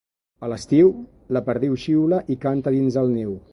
A l'estiu, la perdiu xiula i canta dins del niu.